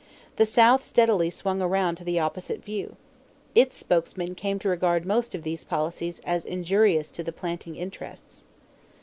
The South steadily swung around to the opposite view. Its spokesmen came to regard most of these policies as injurious to the planting interests.